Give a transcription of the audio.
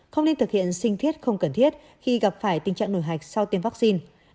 không nên thực hiện sinh thiết không cần thiết khi gặp phải tình trạng nổi hạch sau tiêm vaccine